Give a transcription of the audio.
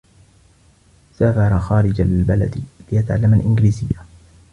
سافر خارج البلد ليتعلم الإنجليزية.